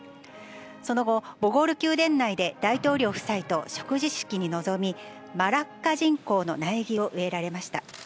その後、ボゴール宮殿内で大統領夫妻と植樹式に臨み、マラッカジンコウの苗木を植えられました。